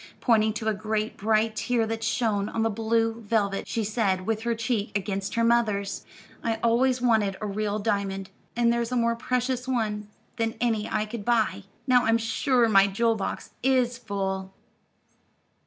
Pointing to a great, bright tear that shone on the blue velvet, she said, with her cheek against her mother's: "I always wanted a real diamond, and there's a more precious one than any I could buy. Now I'm sure my jewel box is full."